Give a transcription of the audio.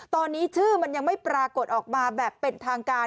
ตอนนี้ชื่อมันยังไม่ปรากฏออกมาแบบเป็นทางการ